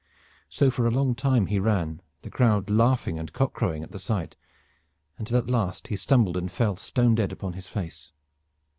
So for a long time he ran, the crowd laughing and cock crowing at the sight, until at last he stumbled and fell stone dead upon his face.